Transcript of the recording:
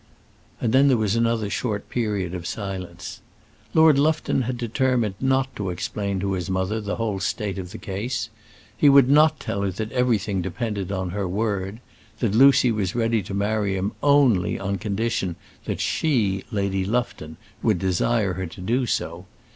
And then there was another short period of silence. Lord Lufton had determined not to explain to his mother the whole state of the case. He would not tell her that everything depended on her word that Lucy was ready to marry him only on condition that she, Lady Lufton, would desire her to do so.